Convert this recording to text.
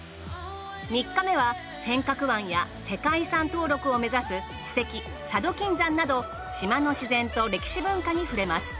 ３日目は尖閣湾や世界遺産登録を目指す史跡佐渡金山など島の自然と歴史文化に触れます。